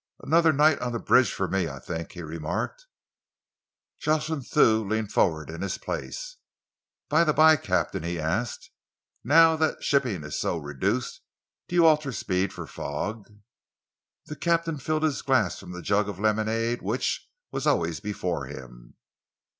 "Another night on the bridge for me, I think," he remarked. Jocelyn Thew leaned forward in his place. "By the by, Captain," he asked, "now that the shipping is so reduced, do you alter speed for fog?" The captain filled his glass from the jug of lemonade which, was always before him.